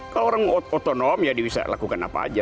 kalau orang otonom ya dia bisa lakukan apa saja